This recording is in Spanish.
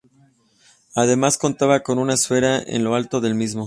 Además, contaba con una esfera en lo alto del mismo.